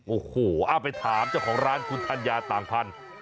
โอ้โหเอาไปถามเจ้าของร้านคุณธัญญาต่างพันธุ์